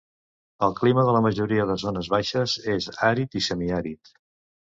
El clima de la majoria de zones baixes és àrid i semiàrid.